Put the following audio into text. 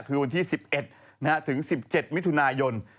คือวันที่๑๑ถึง๑๗มิถุนายน